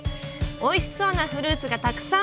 おいしそうなフルーツがたくさん！